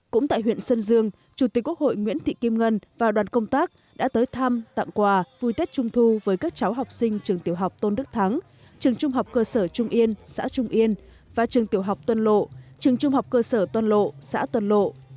cũng tại huyện sơn dương chủ tịch quốc hội nguyễn thị kim ngân và đoàn công tác đã tới thăm tặng quà vui tết trung thu với các cháu học sinh trường tiểu học tôn đức thắng trường trung học cơ sở trung yên xã trung yên và trường tiểu học tân lộ trường trung học cơ sở tuân lộ xã tân lộ